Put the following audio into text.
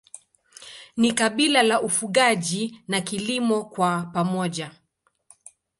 Ni kabila la ufugaji na kilimo kwa pamoja.